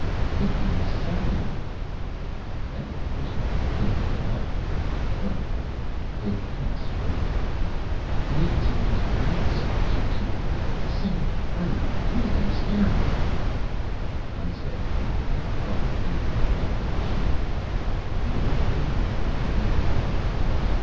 THINKING OF SELLING "And of course we couldn't get out of here," Vern pointed out. "They've got us surrounded." ME TO THESE RATS Q Q SAM VERN PLEASE DONT SCARE ME I said, pointing to the fluttering paper in the rattling machine: "You're worrying our friend."